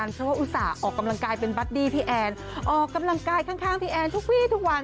เพราะว่าอุตส่าห์ออกกำลังกายเป็นบัดดี้พี่แอนออกกำลังกายข้างพี่แอนทุกวีทุกวัน